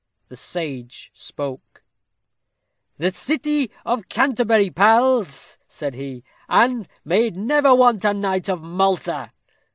The sage spoke: "The city of Canterbury, pals," said he; "and may it never want a knight of Malta."